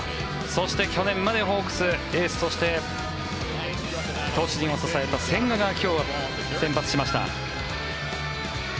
そして去年までホークスエースとして投手陣を支えた千賀が今日は先発しました。